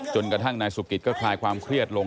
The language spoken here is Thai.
กระทั่งนายสุกิตก็คลายความเครียดลง